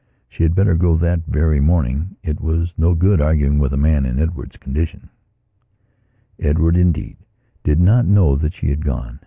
She had better go that very morning; it was no good arguing with a man in Edward's condition. Edward, indeed, did not know that she had gone.